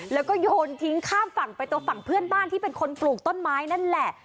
แล้วก็โยนทิ้งข้ามฝั่งไปตัวฝั่งเพื่อนบ้านที่เป็นคนปลูกต้นไม้นั่นแหละ